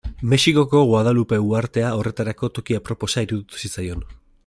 Mexikoko Guadalupe uhartea horretarako toki aproposa iruditu zitzaion.